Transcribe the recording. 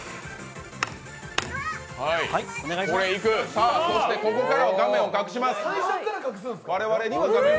さあ、ここからは画面を隠します。